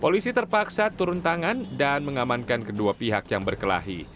polisi terpaksa turun tangan dan mengamankan kedua pihak yang berkelahi